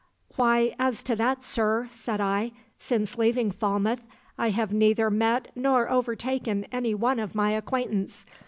"'Why, as to that, sir,' said I, 'since leaving Falmouth I have neither met nor overtaken any one of my acquaintance.